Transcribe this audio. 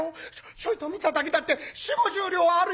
ちょいと見ただけだって４０５０両はあるよ」。